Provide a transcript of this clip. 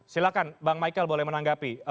silahkan bang michael boleh menanggapi